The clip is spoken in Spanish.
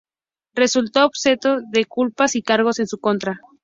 Resultó absuelto de culpas y cargos en su contra.